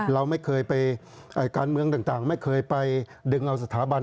เราไม่เคยไปการเมืองต่างไม่เคยไปดึงเอาสถาบัน